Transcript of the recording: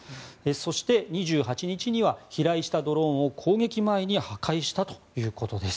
そして２８日には飛来したドローンを攻撃前に破壊したということです。